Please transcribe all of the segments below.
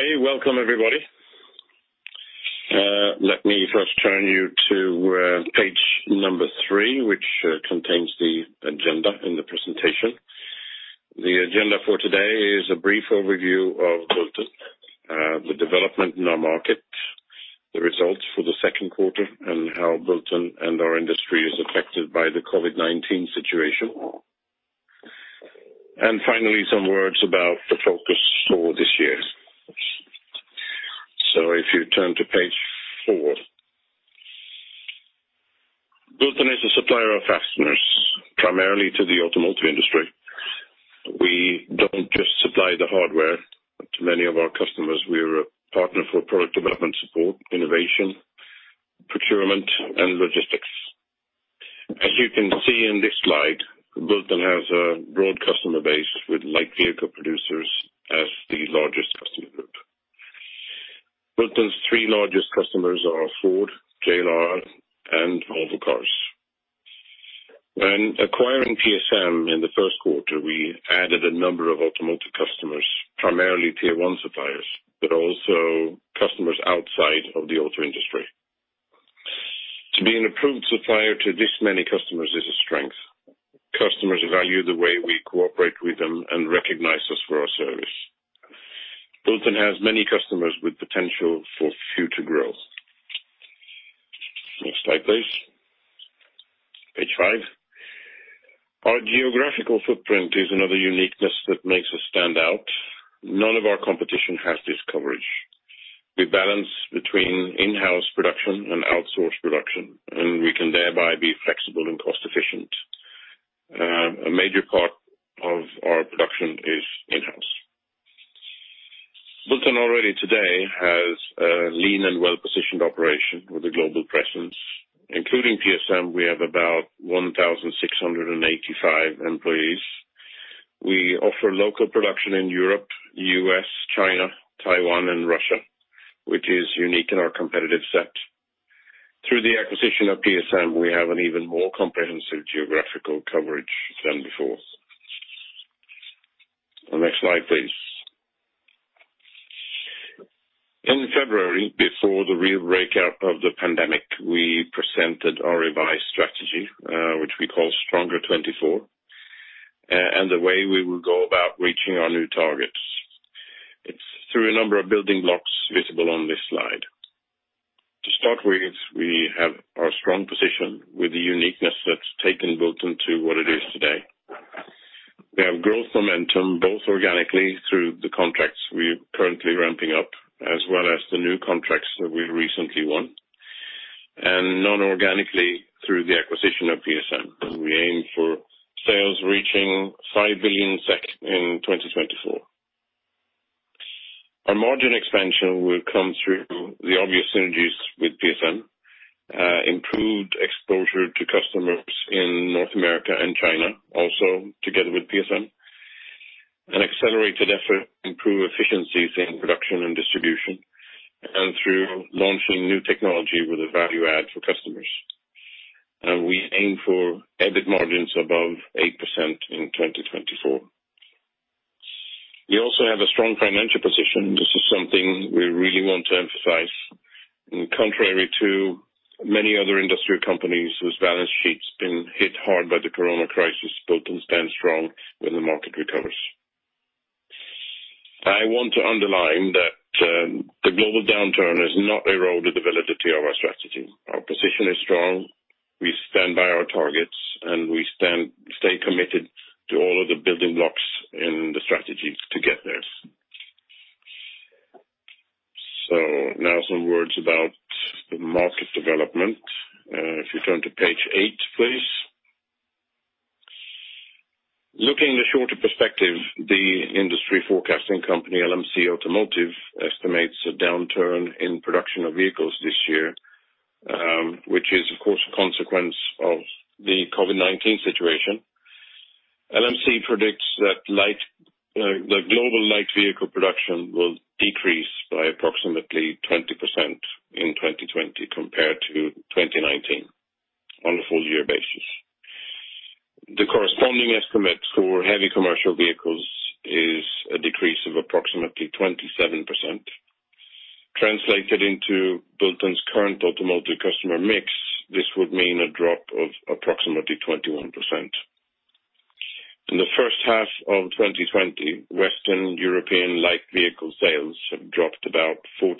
Okay. Welcome everybody. Let me first turn you to page three, which contains the agenda and the presentation. The agenda for today is a brief overview of Bulten, the development in our market, the results for the second quarter, and how Bulten and our industry is affected by the COVID-19 situation. Finally, some words about the focus for this year. If you turn to page four. Bulten is a supplier of fasteners, primarily to the automotive industry. We don't just supply the hardware to many of our customers, we are a partner for product development support, innovation, procurement, and logistics. As you can see in this slide, Bulten has a broad customer base with light vehicle producers as the largest customer group. Bulten's three largest customers are Ford, JLR, and Volvo Cars. When acquiring PSM in the first quarter, we added a number of automotive customers, primarily tier 1 suppliers, but also customers outside of the auto industry. To be an approved supplier to this many customers is a strength. Customers value the way we cooperate with them and recognize us for our service. Bulten has many customers with potential for future growth. Next slide, please. Page five. Our geographical footprint is another uniqueness that makes us stand out. None of our competition has this coverage. We balance between in-house production and outsourced production, and we can thereby be flexible and cost efficient. A major part of our production is in-house. Bulten already today has a lean and well-positioned operation with a global presence. Including PSM, we have about 1,685 employees. We offer local production in Europe, U.S., China, Taiwan, and Russia, which is unique in our competitive set. Through the acquisition of PSM, we have an even more comprehensive geographical coverage than before. Next slide, please. In February, before the real breakout of the pandemic, we presented our revised strategy, which we call Stronger 24, and the way we will go about reaching our new targets. It's through a number of building blocks visible on this slide. To start with, we have our strong position with the uniqueness that's taken Bulten to what it is today. We have growth momentum, both organically through the contracts we are currently ramping up, as well as the new contracts that we recently won. Non-organically through the acquisition of PSM, we aim for sales reaching 5 billion SEK in 2024. Our margin expansion will come through the obvious synergies with PSM, improved exposure to customers in North America and China, also together with PSM. An accelerated effort to improve efficiencies in production and distribution, through launching new technology with a value add for customers. We aim for EBIT margins above 8% in 2024. We also have a strong financial position. This is something we really want to emphasize. Contrary to many other industrial companies whose balance sheets been hit hard by the coronavirus crisis, Bulten stands strong when the market recovers. I want to underline that the global downturn has not eroded the validity of our strategy. Our position is strong. We stand by our targets, and we stay committed to all of the building blocks in the strategy to get there. Now some words about the market development. If you turn to page eight, please. Looking at the shorter perspective, the industry forecasting company LMC Automotive estimates a downturn in production of vehicles this year, which is of course, a consequence of the COVID-19 situation. LMC predicts that the global light vehicle production will decrease by approximately 20% in 2020 compared to 2019 on a full year basis. The corresponding estimate for heavy commercial vehicles is a decrease of approximately 27%. Translated into Bulten's current automotive customer mix, this would mean a drop of approximately 21%. In the first half of 2020, Western European light vehicle sales have dropped about 40%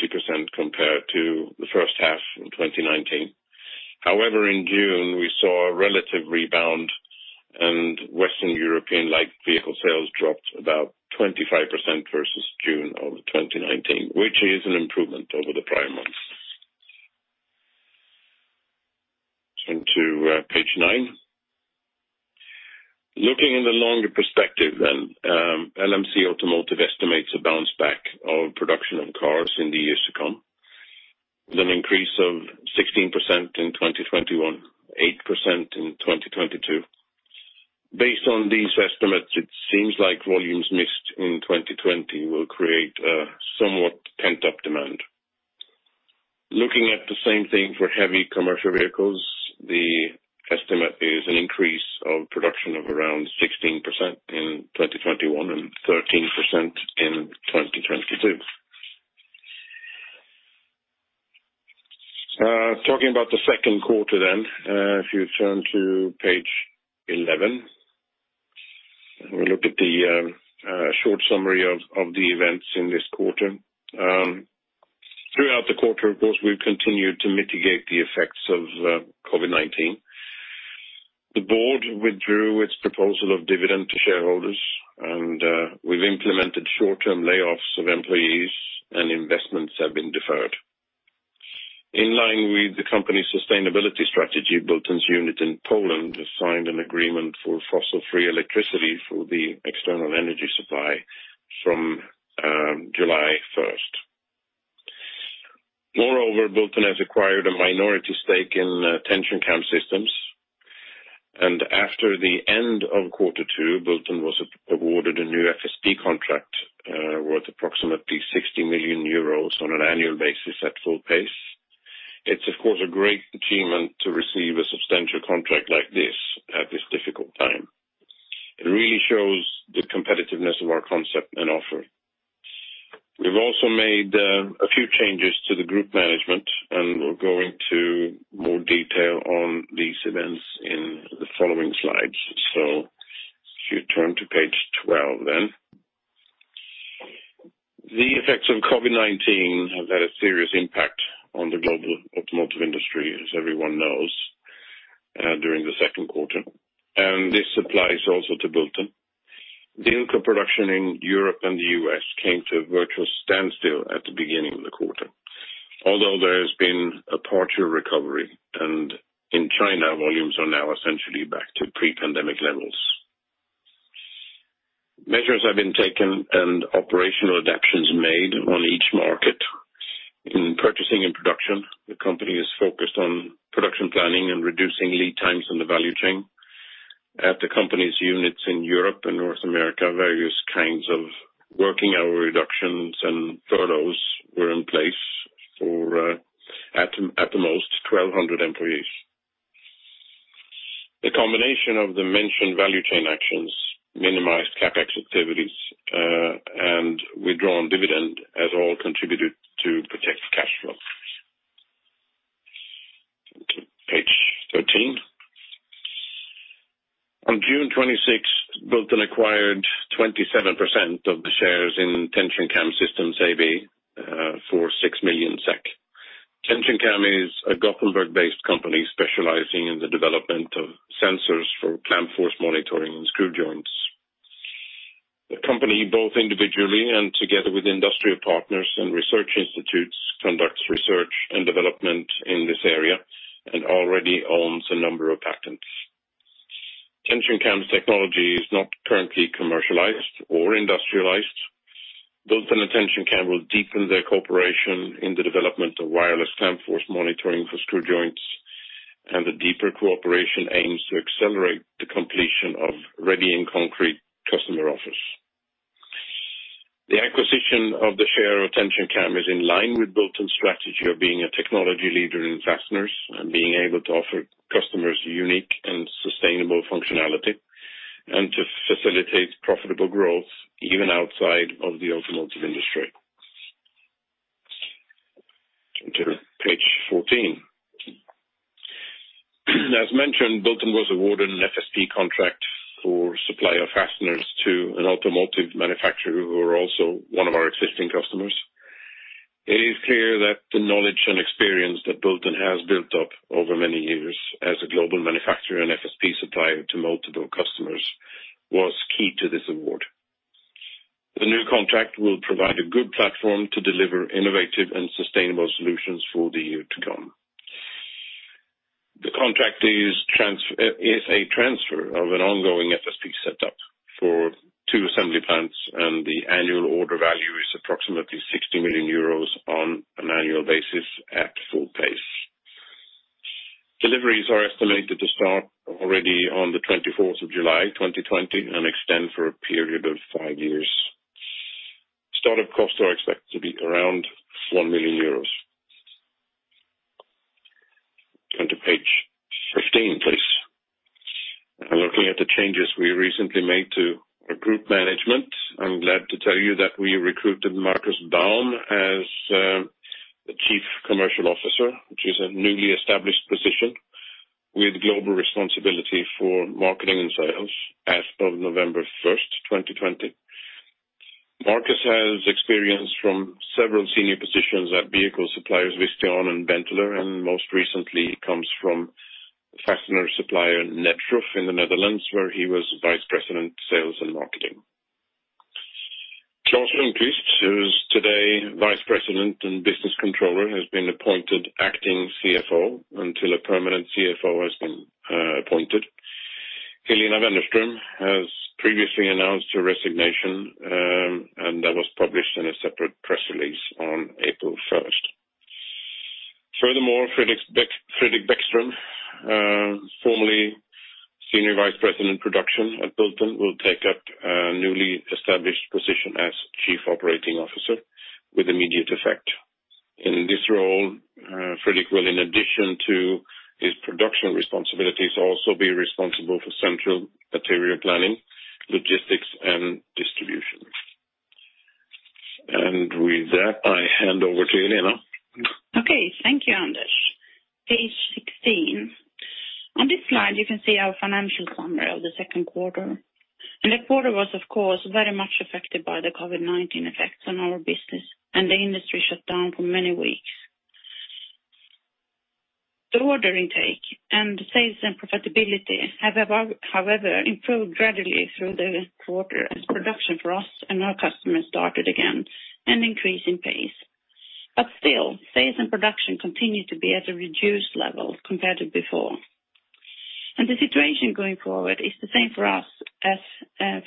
compared to the first half in 2019. However, in June, we saw a relative rebound and Western European light vehicle sales dropped about 25% versus June of 2019, which is an improvement over the prior months. Turn to page nine. Looking in the longer perspective, LMC Automotive estimates a bounce back of production of cars in the years to come, with an increase of 16% in 2021, 8% in 2022. Based on these estimates, it seems like volumes missed in 2020 will create a somewhat pent-up demand. Looking at the same thing for heavy commercial vehicles, the estimate is an increase of production of around 16% in 2021 and 13% in 2022. Talking about the second quarter, if you turn to page 11, we look at the short summary of the events in this quarter. Throughout the quarter, of course, we've continued to mitigate the effects of COVID-19. The board withdrew its proposal of dividend to shareholders, and we've implemented short-term layoffs of employees and investments have been deferred. In line with the company's sustainability strategy, Bulten's unit in Poland has signed an agreement for fossil-free electricity for the external energy supply from July 1st. Moreover, Bulten has acquired a minority stake in TensionCam Systems. After the end of quarter two, Bulten was awarded a new FSP contract worth approximately 60 million euros on an annual basis at full pace. It's of course a great achievement to receive a substantial contract like this at this difficult time. It really shows the competitiveness of our concept and offer. We've also made a few changes to the group management, and we'll go into more detail on these events in the following slides. If you turn to page 12 then. The effects of COVID-19 have had a serious impact on the global automotive industry, as everyone knows, during the second quarter, and this applies also to Bulten. Vehicle production in Europe and the U.S. came to a virtual standstill at the beginning of the quarter. There has been a partial recovery, and in China, volumes are now essentially back to pre-pandemic levels. Measures have been taken and operational adaptions made on each market. In purchasing and production, the company is focused on production planning and reducing lead times in the value chain. At the company's units in Europe and North America, various kinds of working hour reductions and furloughs were in place for at the most 1,200 employees. The combination of the mentioned value chain actions minimized CapEx activities, and withdrawn dividend has all contributed to protect cash flow. Turn to page 13. On June 26th, Bulten acquired 27% of the shares in TensionCam Systems AB for 6 million SEK. TensionCam is a Gothenburg-based company specializing in the development of sensors for clamp force monitoring and screw joints. The company, both individually and together with industrial partners and research institutes, conducts research and development in this area and already owns a number of patents. TensionCam's technology is not currently commercialized or industrialized. Bulten and TensionCam will deepen their cooperation in the development of wireless clamp force monitoring for screw joints. The deeper cooperation aims to accelerate the completion of readying concrete customer offers. The acquisition of the share of TensionCam is in line with Bulten's strategy of being a technology leader in fasteners and being able to offer customers unique and sustainable functionality. To facilitate profitable growth even outside of the automotive industry. Turn to page 14. As mentioned, Bulten was awarded an FSP contract for supply of fasteners to an automotive manufacturer who are also one of our existing customers. It is clear that the knowledge and experience that Bulten has built up over many years as a global manufacturer and FSP supplier to multiple customers was key to this award. The new contract will provide a good platform to deliver innovative and sustainable solutions for the year to come. The contract is a transfer of an ongoing FSP setup for two assembly plants, and the annual order value is approximately 60 million euros on an annual basis at full pace. Deliveries are estimated to start already on the 24th of July, 2020, and extend for a period of five years. Start-up costs are expected to be around 1 million euros. Turn to page 15, please. Looking at the changes we recently made to our group management, I'm glad to tell you that we recruited Markus Baum as the Chief Commercial Officer, which is a newly established position, with global responsibility for marketing and sales as of November 1st, 2020. Markus has experience from several senior positions at vehicle suppliers Visteon and Benteler, and most recently comes from fastener supplier Nedschroef in the Netherlands, where he was Vice President, Sales and Marketing. Claes Lindqvist, who's today Vice President and Business Controller, has been appointed acting CFO until a permanent CFO has been appointed. Helena Wennerström has previously announced her resignation. That was published in a separate press release on April 1st. Furthermore, Fredrik Bäckström, formerly Senior Vice President Production at Bulten, will take up a newly established position as Chief Operating Officer with immediate effect. In this role, Fredrik will, in addition to his production responsibilities, also be responsible for central material planning, logistics, and distribution. With that, I hand over to Helena. Okay. Thank you, Anders. Page 16. On this slide, you can see our financial summary of the second quarter. The quarter was, of course, very much affected by the COVID-19 effects on our business, and the industry shut down for many weeks. The order intake and sales and profitability have, however, improved gradually through the quarter as production for us and our customers started again, and increasing pace. Still, sales and production continue to be at a reduced level compared to before. The situation going forward is the same for us as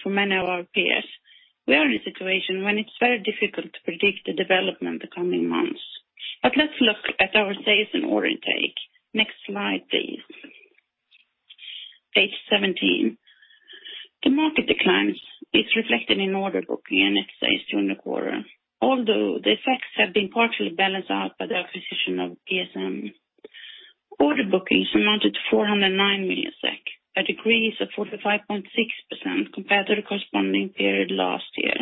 for many of our peers. We are in a situation when it's very difficult to predict the development the coming months. Let's look at our sales and order intake. Next slide, please. Page 17. The market declines is reflected in order book net sales during the quarter, although the effects have been partially balanced out by the acquisition of PSM. Order bookings amounted to 409 million SEK, a decrease of 45.6% compared to the corresponding period last year.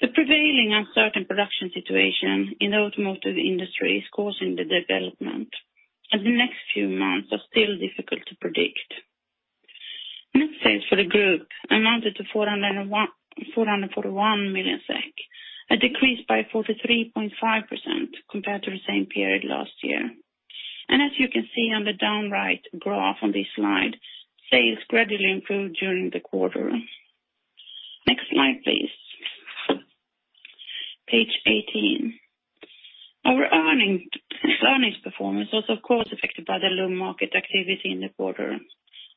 The prevailing uncertain production situation in the automotive industry is causing the development, and the next few months are still difficult to predict. Net sales for the Group amounted to 441 million SEK, a decrease by 43.5% compared to the same period last year. As you can see on the down right graph on this slide, sales gradually improved during the quarter. Next slide, please. Page 18. Our earnings performance was of course affected by the low market activity in the quarter.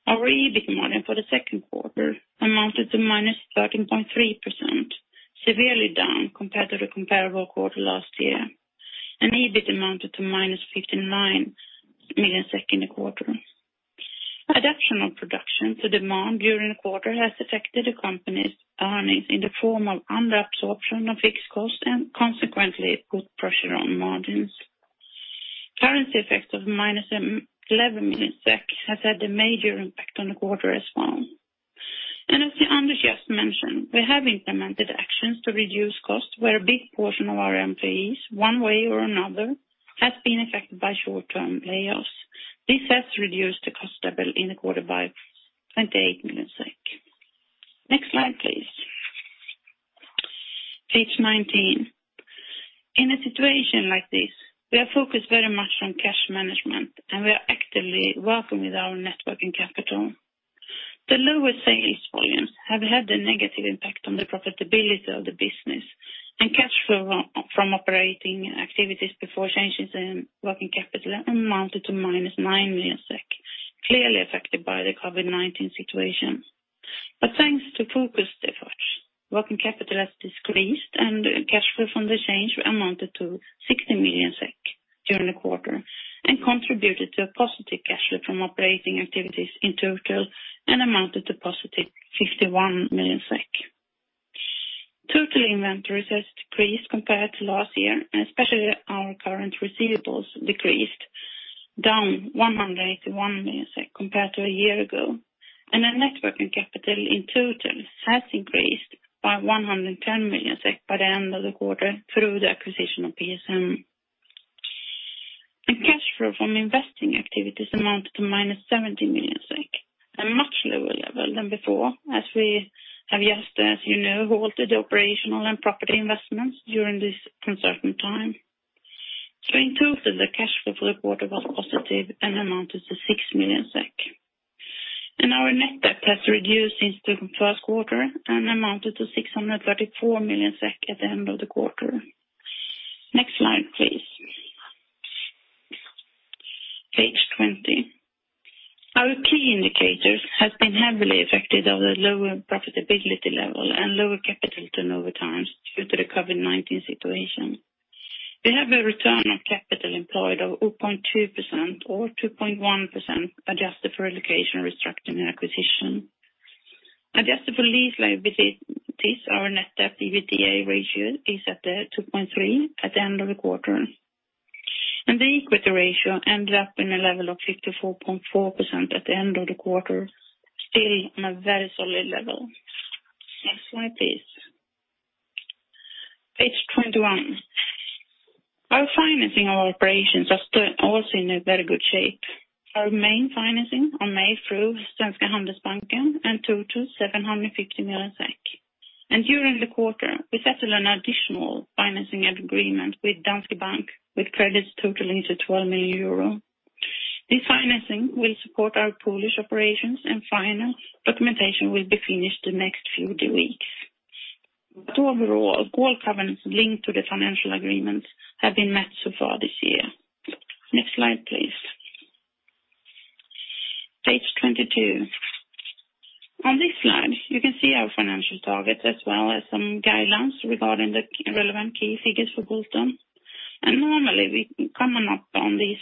Our EBIT margin for the second quarter amounted to -13.3%, severely down compared to the comparable quarter last year, and EBIT amounted to -59 million in the quarter. Adaptation of production to demand during the quarter has affected the company's earnings in the form of under-absorption of fixed cost and consequently put pressure on margins. Currency effects of -11 million SEK has had a major impact on the quarter as well. As Anders just mentioned, we have implemented actions to reduce costs where a big portion of our employees, one way or another, has been affected by short-term layoffs. This has reduced the cost level in the quarter by 28 million SEK. Next slide, please. Page 19. In a situation like this, we are focused very much on cash management, and we are actively working with our net working capital. The lower sales volumes have had a negative impact on the profitability of the business, and cash flow from operating activities before changes in working capital amounted to -9 million SEK, clearly affected by the COVID-19 situation. Thanks to focused efforts, working capital has decreased, and cash flow from the change amounted to 60 million SEK during the quarter and contributed to a positive cash flow from operating activities in total and amounted to positive 51 million SEK. Total inventories has decreased compared to last year, and especially our current receivables decreased, down 181 million compared to a year ago, and our net working capital in total has increased by 110 million SEK by the end of the quarter through the acquisition of PSM. Cash flow from investing activities amounted to -70 million SEK, a much lower level than before as we have just, as you know, halted operational and property investments during this uncertain time. In total, the cash flow for the quarter was positive and amounted to 6 million SEK. Our net debt has reduced since the first quarter and amounted to 634 million SEK at the end of the quarter. Next slide, please. Page 20. Our key indicators has been heavily affected of the lower profitability level and lower capital turnover times due to the COVID-19 situation. We have a return on capital employed of 0.2%, or 2.1% adjusted for relocation, restructuring, and acquisition. Adjusted for lease liabilities, our net debt to EBITDA ratio is at 2.3 at the end of the quarter. The equity ratio ended up in a level of 54.4% at the end of the quarter, still on a very solid level. Next slide, please. Page 21. Our financing of our operations are also in a very good shape. Our main financing are made through Svenska Handelsbanken and total 750 million. During the quarter, we settled an additional financing agreement with Danske Bank, with credits totaling to 12 million euro. This financing will support our Polish operations, and final documentation will be finished the next few weeks. Overall, all covenants linked to the financial agreements have been met so far this year. Next slide, please. Page 22. On this slide, you can see our financial targets as well as some guidelines regarding the relevant key figures for Bulten. Normally we comment up on these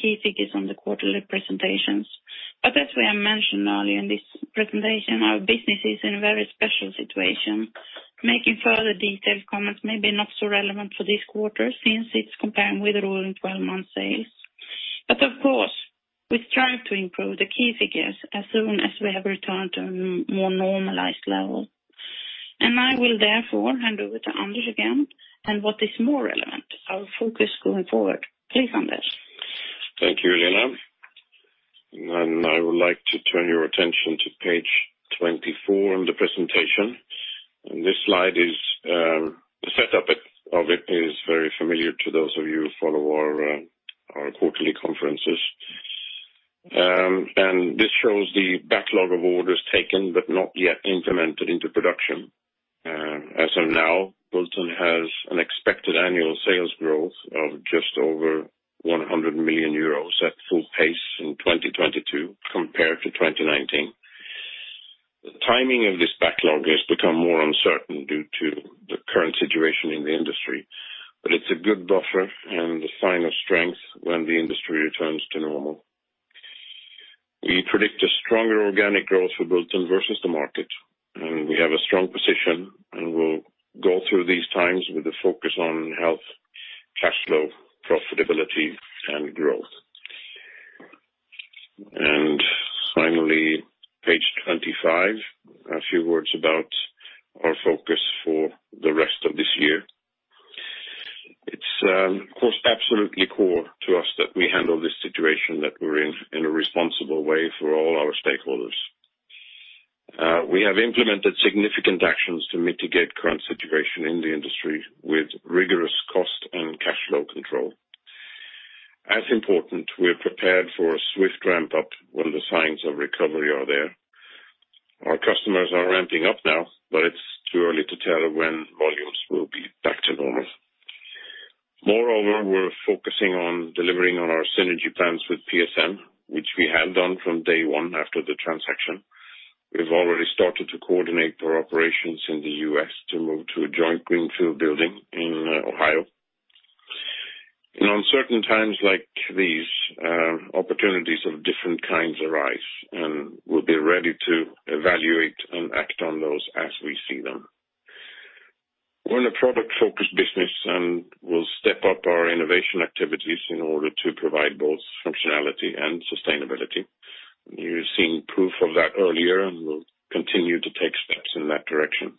key figures on the quarterly presentations. As we have mentioned earlier in this presentation, our business is in a very special situation. Making further detailed comments may be not so relevant for this quarter since it's comparing with the rolling 12-month sales. I will therefore hand over to Anders again and what is more relevant, our focus going forward. Please, Anders. Thank you, Helena. I would like to turn your attention to page 24 on the presentation. This slide, the setup of it is very familiar to those of you who follow our quarterly conferences. This shows the backlog of orders taken but not yet implemented into production. As of now, Bulten has an expected annual sales growth of just over 100 million euros at full pace in 2022, compared to 2019. The timing of this backlog has become more uncertain due to the current situation in the industry, but it's a good buffer and a sign of strength when the industry returns to normal. We predict a stronger organic growth for Bulten versus the market, and we have a strong position, and we'll go through these times with a focus on health, cash flow, profitability and growth. Finally, page 25. A few words about our focus for the rest of this year. It's of course, absolutely core to us that we handle this situation that we're in a responsible way for all our stakeholders. We have implemented significant actions to mitigate current situation in the industry with rigorous cost and cash flow control. As important, we are prepared for a swift ramp up when the signs of recovery are there. Our customers are ramping up now, but it's too early to tell when volumes will be back to normal. Moreover, we're focusing on delivering on our synergy plans with PSM, which we have done from day one after the transaction. We've already started to coordinate our operations in the U.S. to move to a joint greenfield building in Ohio. In uncertain times like these, opportunities of different kinds arise, and we'll be ready to evaluate and act on those as we see them. We're in a product-focused business, and we'll step up our innovation activities in order to provide both functionality and sustainability. You've seen proof of that earlier, and we'll continue to take steps in that direction.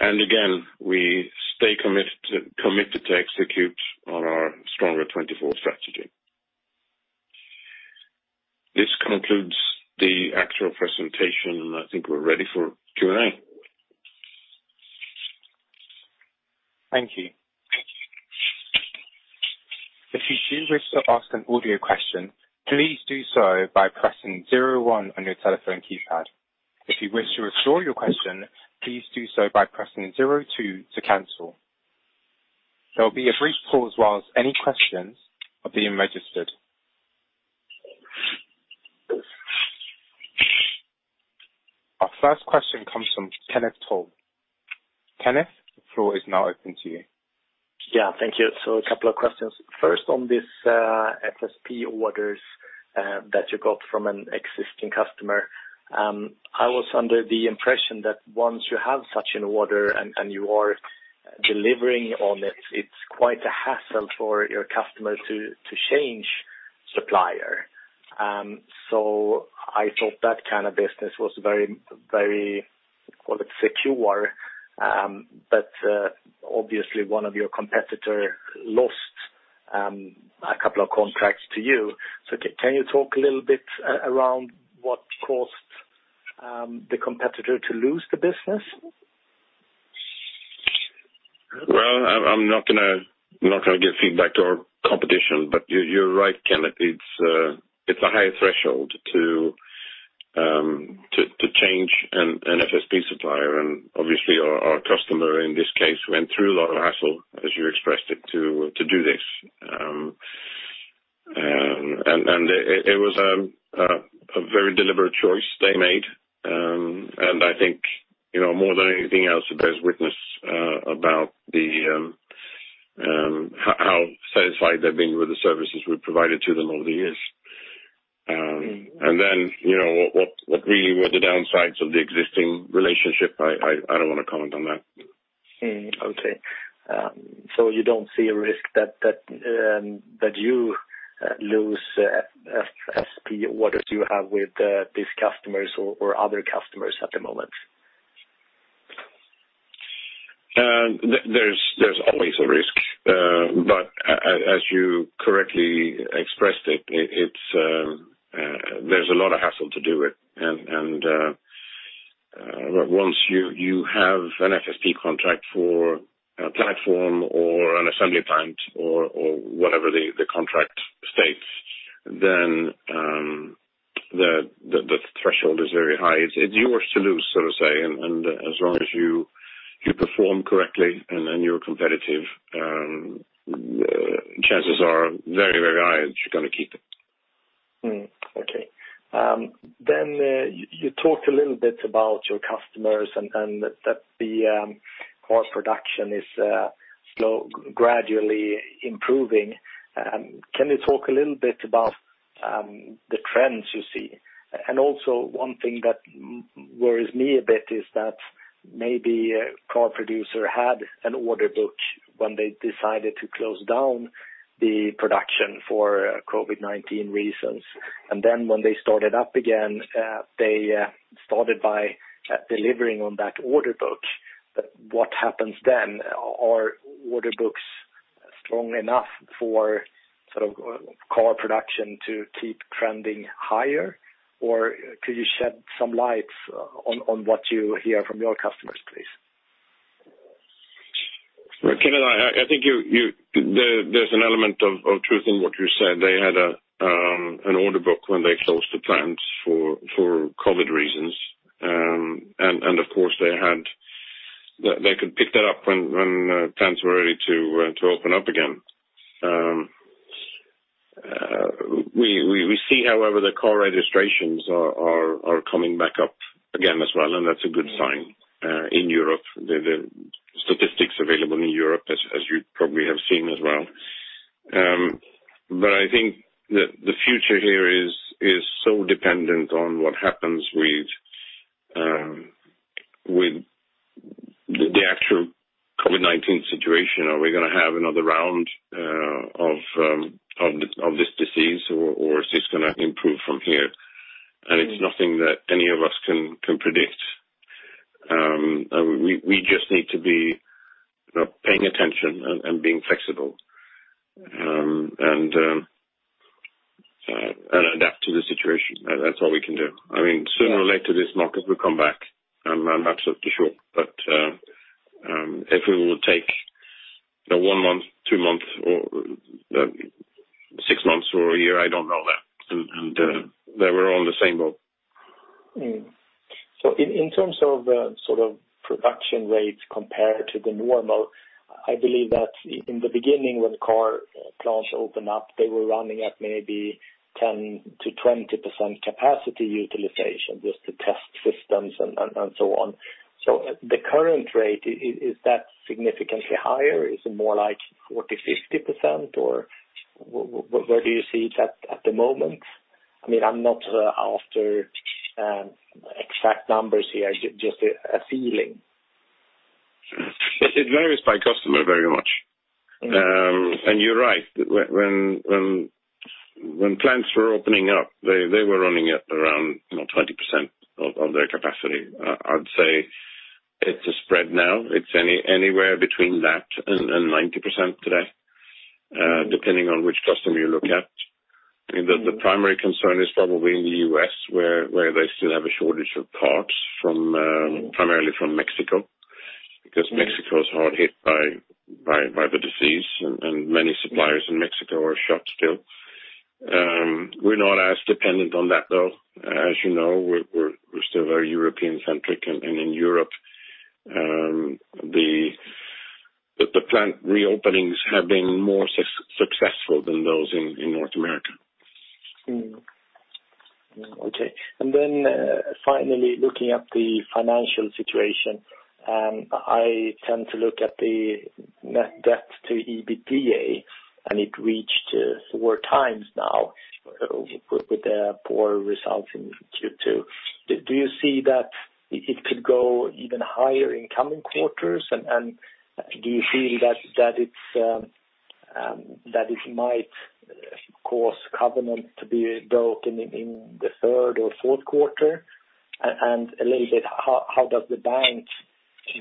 Again, we stay committed to execute on our Stronger 24 strategy. This concludes the actual presentation, and I think we're ready for Q&A. Thank you. If you do wish to ask an audio question, please do so by pressing zero one on your telephone keypad. If you wish to withdraw your question, please do so by pressing zero two to cancel. There will be a brief pause while any questions are being registered. Our first question comes from Kenneth Torell. Kenneth, the floor is now open to you. Yeah, thank you. A couple of questions. First on this FSP orders that you got from an existing customer. I was under the impression that once you have such an order and you are delivering on it's quite a hassle for your customer to change supplier. I thought that kind of business was very secure. Obviously one of your competitor lost a couple of contracts to you. Can you talk a little bit around what caused the competitor to lose the business? I'm not going to give feedback to our competition, but you're right, Kenneth. It's a high threshold to change an FSP supplier, and obviously our customer in this case went through a lot of hassle, as you expressed it, to do this. It was a very deliberate choice they made, and I think more than anything else, it bears witness about how satisfied they've been with the services we've provided to them over the years. What really were the downsides of the existing relationship, I don't want to comment on that. Okay. You don't see a risk that you lose FSP orders you have with these customers or other customers at the moment? There's always a risk. As you correctly expressed it, there's a lot of hassle to do it. Once you have an FSP contract for a platform or an assembly plant or whatever the contract states, the threshold is very high. It's yours to lose, so to say. As long as you perform correctly and you're competitive, chances are very high that you're going to keep it. Okay. You talked a little bit about your customers and that the car production is gradually improving. Can you talk a little bit about the trends you see? One thing that worries me a bit is that maybe a car producer had an order book when they decided to close down the production for COVID-19 reasons, and when they started up again, they started by delivering on that order book. What happens then? Are order books strong enough for car production to keep trending higher? Could you shed some light on what you hear from your customers, please? Kenneth, I think there's an element of truth in what you said. They had an order book when they closed the plants for COVID-19 reasons. Of course, they could pick that up when plants were ready to open up again. We see, however, the car registrations are coming back up again as well, and that's a good sign in Europe. The statistics available in Europe, as you probably have seen as well. I think the future here is so dependent on what happens with the actual COVID-19 situation. Are we going to have another round of this disease or is this going to improve from here? It's nothing that any of us can predict. We just need to be paying attention and being flexible, and adapt to the situation. That's all we can do. Sooner or later, this market will come back. I'm absolutely sure. If it will take one month, two months or six months or a year, I don't know that. There we're all on the same boat. In terms of production rates compared to the normal, I believe that in the beginning when car plants opened up, they were running at maybe 10%-20% capacity utilization, just to test systems and so on. The current rate, is that significantly higher? Is it more like 40%, 50%, or where do you see it at the moment? I'm not after exact numbers here, just a feeling. It varies by customer very much. You're right. When plants were opening up, they were running at around 20% of their capacity. I'd say it's a spread now. It's anywhere between that and 90% today, depending on which customer you look at. The primary concern is probably in the U.S., where they still have a shortage of parts primarily from Mexico, because Mexico is hard hit by the disease and many suppliers in Mexico are shut still. We're not as dependent on that, though. As you know, we're still very European-centric, and in Europe, the plant reopenings have been more successful than those in North America. Okay. Then finally, looking at the financial situation, I tend to look at the net debt to EBITDA, and it reached four times now with the poor results in Q2. Do you see that it could go even higher in coming quarters? Do you feel that it might cause covenants to be broken in the third or fourth quarter? A little bit, how does the bank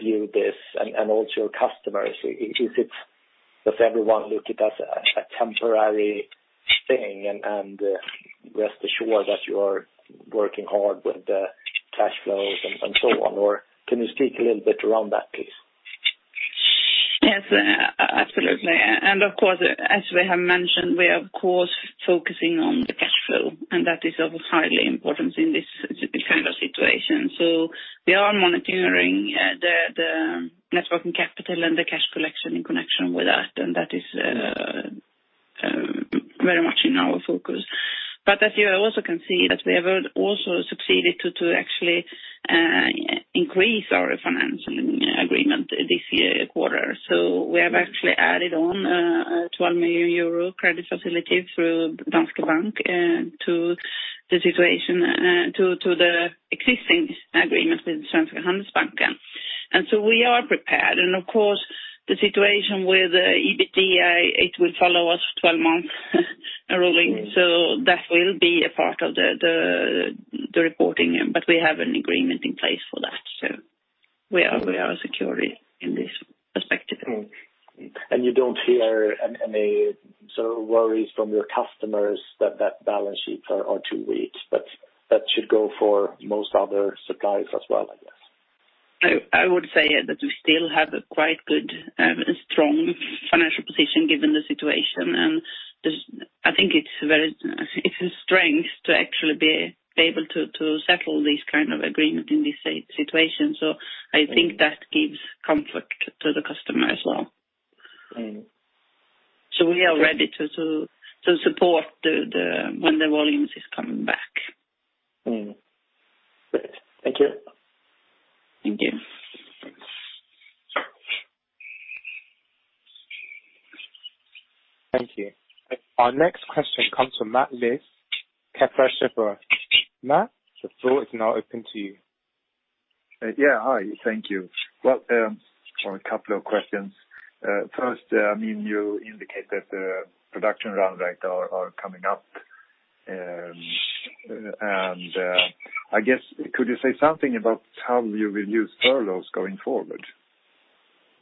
view this and also your customers? Does everyone look it as a temporary thing and rest assured that you are working hard with the cash flows and so on? Can you speak a little bit around that, please? Yes, absolutely. Of course, as we have mentioned, we are of course focusing on the cash flow, and that is of highly importance in this kind of situation. We are monitoring the net working capital and the cash collection in connection with that, and that is very much in our focus. As you also can see that we have also succeeded to actually increase our financing agreement this quarter. We have actually added on a 12 million euro credit facility through Danske Bank to the existing agreement with Svenska Handelsbanken. We are prepared and of course, the situation with EBITDA, it will follow us for 12 months rolling. That will be a part of the reporting, but we have an agreement in place for that. We are secure in this perspective. You don't hear any worries from your customers that balance sheets are too weak, but that should go for most other suppliers as well, I guess. I would say that we still have a quite good and strong financial position given the situation, and I think it's a strength to actually be able to settle these kind of agreement in this situation. I think that gives comfort to the customer as well. We are ready to support when the volumes is coming back. Mm-hmm. Great. Thank you. Thank you. Thanks. Thank you. Our next question comes from Mats Liss, Kepler Cheuvreux. Mats, the floor is now open to you. Yeah. Hi, thank you. Well, a couple of questions. First, you indicate that the production run rate are coming up. I guess, could you say something about how you will use furloughs going forward?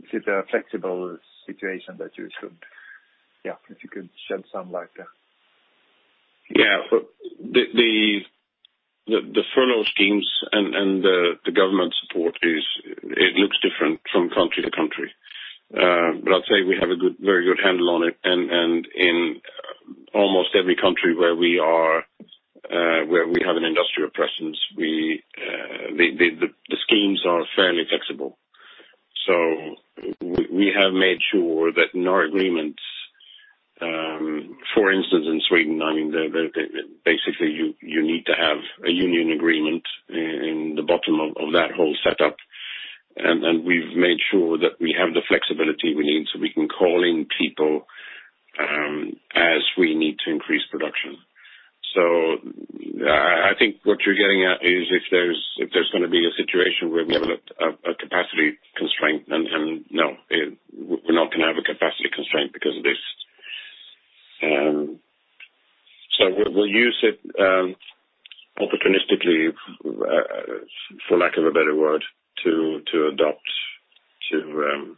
Is it a flexible situation that you could Yeah, if you could shed some light there. Yeah. The furlough schemes and the government support, it looks different from country to country. I'd say we have a very good handle on it, and in almost every country where we have an industrial presence, the schemes are fairly flexible. We have made sure that in our agreements, for instance, in Sweden, basically you need to have a union agreement in the bottom of that whole setup. We've made sure that we have the flexibility we need so we can call in people, as we need to increase production. I think what you're getting at is if there's going to be a situation where we have a capacity constraint, and, no, we're not going to have a capacity constraint because of this. We'll use it opportunistically, for lack of a better word, to adapt to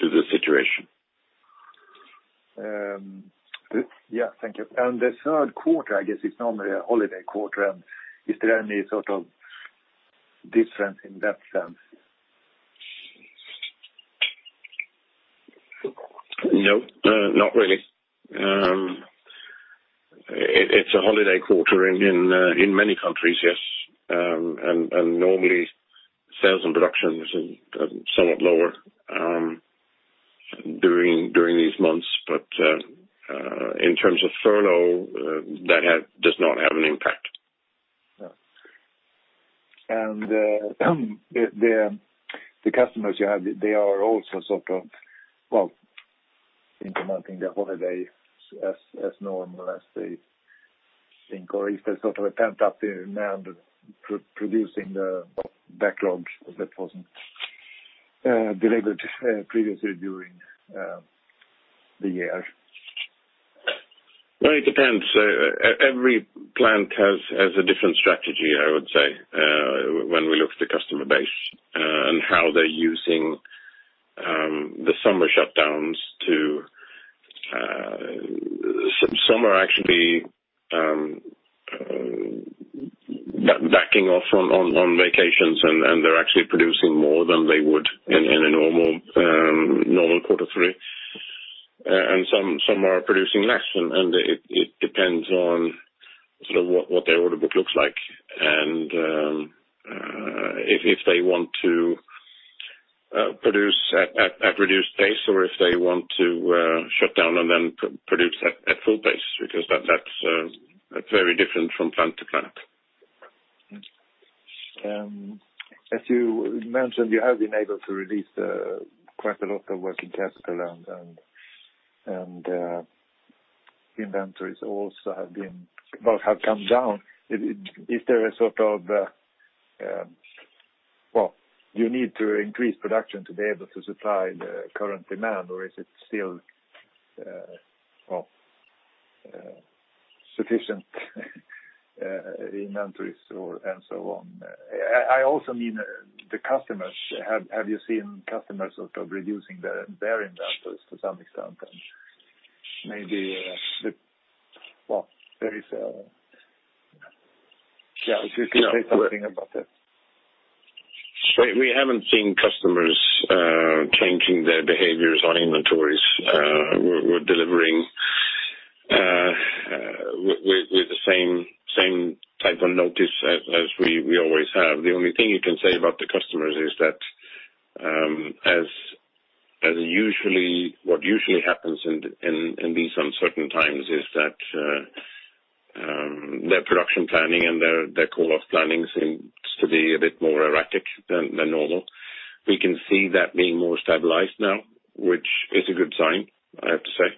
the situation. Good. Yeah. Thank you. The third quarter, I guess, is normally a holiday quarter. Is there any sort of difference in that sense? No, not really. It's a holiday quarter in many countries, yes. Normally, sales and production is somewhat lower during these months. In terms of furlough, that does not have an impact. The customers you have, they are also sort of, well, implementing their holiday as normal as they think, or if there's sort of a pent-up demand producing the backlogs that wasn't delivered previously during the year. Well, it depends. Every plant has a different strategy, I would say, when we look at the customer base, and how they're using the summer shutdowns. Some are actually backing off on vacations, and they're actually producing more than they would in a normal quarter three. Some are producing less, and it depends on sort of what their order book looks like. If they want to produce at reduced pace or if they want to shut down and then produce at full pace, because that's very different from plant to plant. As you mentioned, you have been able to release quite a lot of working capital, and inventories also have come down. Is there a sort of, well, you need to increase production to be able to supply the current demand, or is it still sufficient inventories or, and so on? I also mean the customers. Have you seen customers sort of reducing their inventories to some extent, and maybe, well, there is a Yeah, if you could say something about that. We haven't seen customers changing their behaviors on inventories. We're delivering with the same type of notice as we always have. The only thing you can say about the customers is that what usually happens in these uncertain times is that their production planning and their call-off planning seems to be a bit more erratic than normal. We can see that being more stabilized now, which is a good sign, I have to say.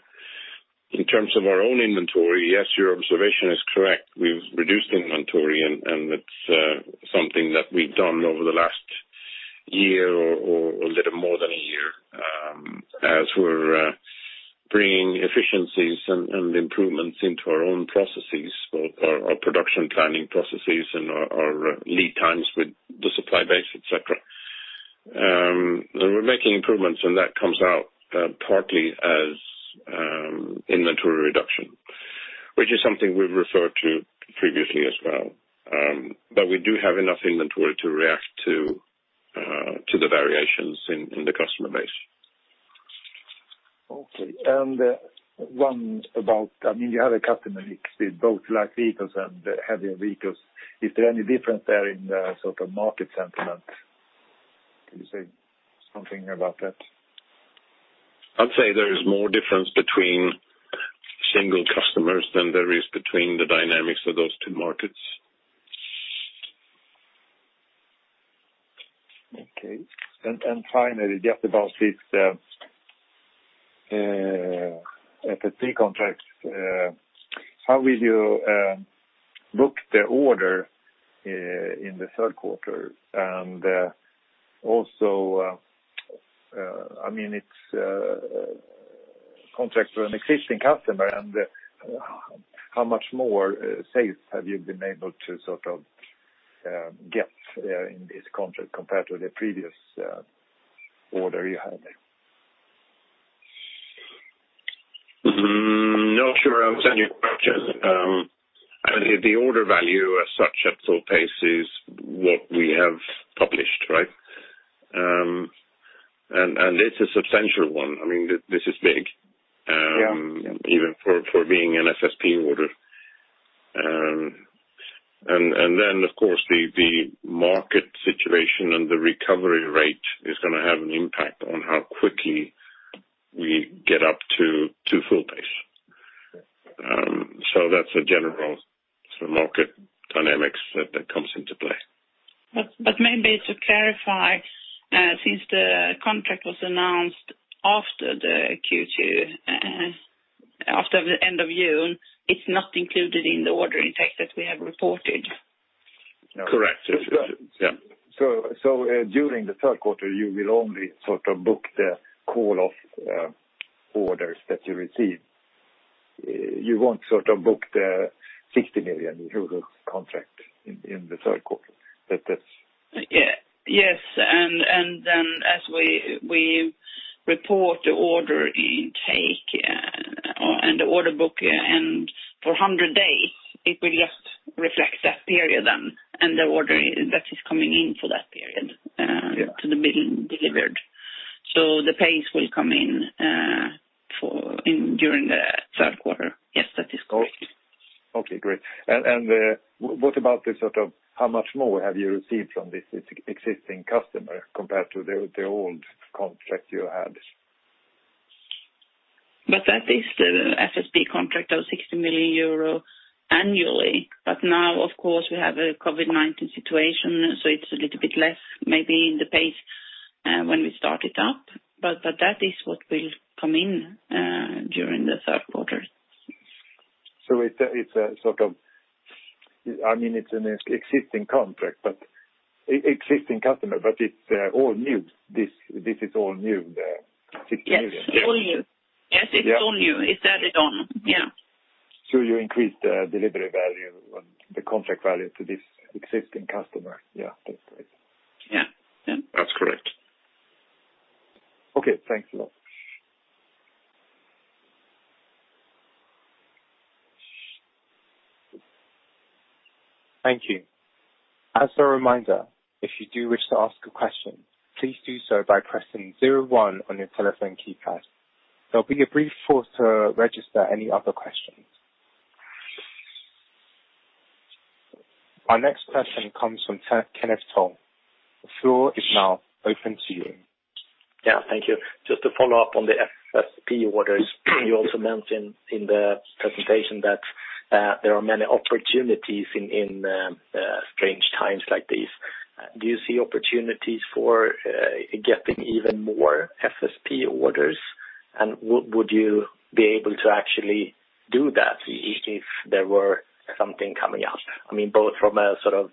In terms of our own inventory, yes, your observation is correct. We've reduced inventory, and it's something that we've done over the last year or a little more than a year, as we're bringing efficiencies and improvements into our own processes or our production planning processes and our lead times with the supply base, et cetera. We're making improvements, and that comes out partly as inventory reduction, which is something we've referred to previously as well. We do have enough inventory to react to the variations in the customer base. Okay. One about, you have a customer mix with both light vehicles and heavier vehicles. Is there any difference there in the market sentiment? Can you say something about that? I'd say there is more difference between single customers than there is between the dynamics of those two markets. Okay. Finally, just about this FSP contract, how will you book the order in the third quarter? Also, it's a contract with an existing customer, and how much more sales have you been able to get in this contract compared to the previous order you had? I'm not sure I understand your question. I mean, the order value as such at full pace is what we have published, right? It's a substantial one. Yeah even for being an FSP order. Of course, the market situation and the recovery rate is going to have an impact on how quickly we get up to full pace. That's a general market dynamic that comes into play. Maybe to clarify, since the contract was announced after the Q2, after the end of June, it's not included in the order intake that we have reported. Correct. Yeah. During the third quarter, you will only book the call-off orders that you receive. You won't book the 60 million euro contract in the third quarter. Is that? Yes. As we report the order intake and the order book, and for 100 days, it will just reflect that period and the order that is coming in for that period. Yeah to be delivered. The pace will come in during the third quarter. Yes, that is correct. Okay, great. What about this sort of how much more have you received from this existing customer compared to the old contract you had? That is the FSP contract of 60 million euro annually. Now, of course, we have a COVID-19 situation, so it's a little bit less maybe in the pace when we start it up. That is what will come in during the third quarter. It's an existing contract, existing customer, but it's all new. This is all new, the SEK 60 million. Yes, it's all new. It's added on. Yeah. You increased the delivery value and the contract value to this existing customer. Yeah, that's right. Yeah. That's correct. Okay, thanks a lot. Thank you. As a reminder, if you do wish to ask a question, please do so by pressing zero one on your telephone keypad. There will be a brief pause to register any other questions. Our next question comes from Kenneth Torell. The floor is now open to you. Yeah, thank you. Just to follow up on the FSP orders, you also mentioned in the presentation that there are many opportunities in strange times like these. Do you see opportunities for getting even more FSP orders? Would you be able to actually do that if there were something coming up? Both from a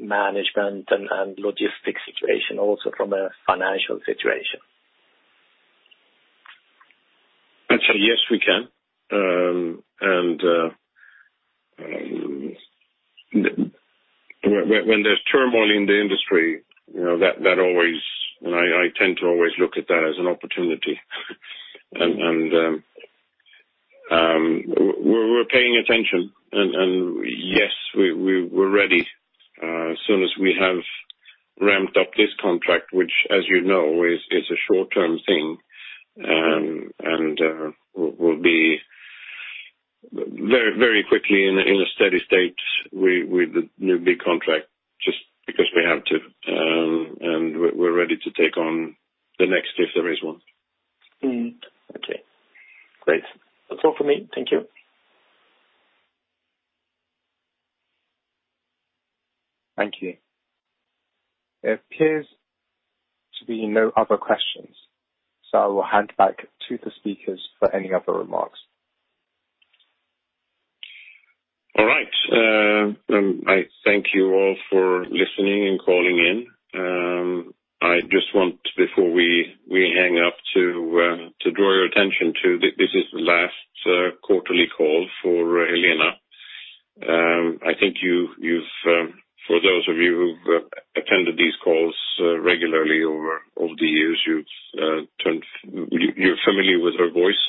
management and logistics situation, also from a financial situation. Actually, yes, we can. When there's turmoil in the industry, I tend to always look at that as an opportunity. We're paying attention, and yes, we're ready. As soon as we have ramped up this contract, which as you know, is a short-term thing, and we'll be very quickly in a steady state with the new big contract just because we have to, and we're ready to take on the next if there is one. Okay, great. That's all for me. Thank you. Thank you. There appears to be no other questions, I will hand back to the speakers for any other remarks. All right. I thank you all for listening and calling in. I just want, before we hang up, to draw your attention to, this is the last quarterly call for Helena. I think for those of you who've attended these calls regularly over the years, you're familiar with her voice,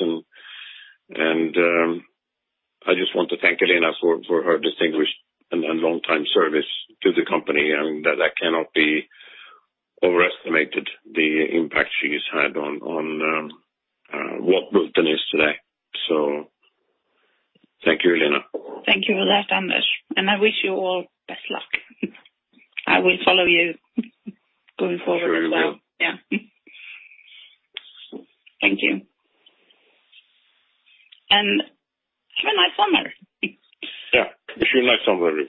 and I just want to thank Helena for her distinguished and longtime service to the company, and that cannot be overestimated, the impact she's had on what Bulten is today. Thank you, Helena. Thank you for that, Anders, and I wish you all the best luck. I will follow you going forward as well. Sure you will. Yeah. Thank you. Have a nice summer. Yeah. Wish you a nice summer.